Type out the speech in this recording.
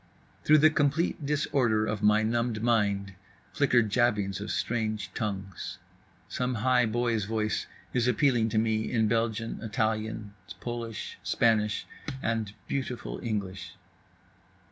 Through the complete disorder of my numbed mind flicker jabbings of strange tongues. Some high boy's voice is appealing to me in Belgian, Italian, Polish, Spanish and—beautiful English.